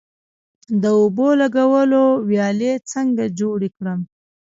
د اوبو لګولو ویالې څنګه جوړې کړم؟